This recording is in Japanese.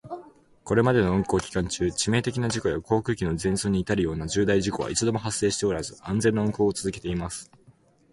これまでの運航期間中、致命的な事故や航空機の全損に至るような重大事故は一度も発生しておらず、安全な運航を続けています。